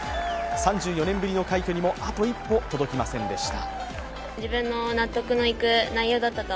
３４年ぶりの快挙にもあと一歩届きませんでした。